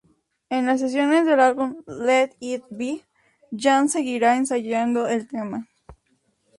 En las sesiones del álbum "Let It Be", John seguiría ensayando el tema.